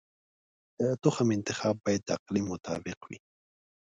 د تخم انتخاب باید د اقلیم مطابق وي.